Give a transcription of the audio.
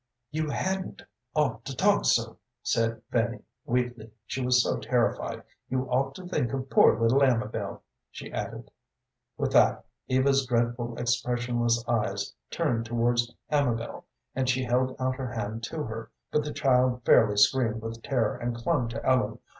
"You hadn't ought to talk so," said Fanny, weakly, she was so terrified. "You ought to think of poor little Amabel," she added. With that, Eva's dreadful, expressionless eyes turned towards Amabel, and she held out her hand to her, but the child fairly screamed with terror and clung to Ellen.